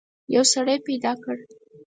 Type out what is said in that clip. یو سړی پیدا کړ.